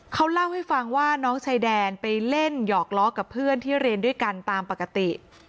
เขาเล่าให้ฟังว่าน้องชายแดนไปเล่นหยอกล้อกับเพื่อนที่เรียนด้วยกันตามปกติ